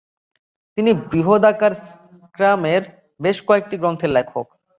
তিনি বৃহদাকার স্ক্রামের বেশ কয়েকটি গ্রন্থের লেখক।